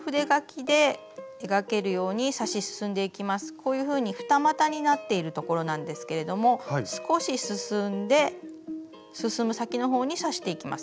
こういうふうに二股になっているところなんですけれども少し進んで進む先のほうに刺していきます。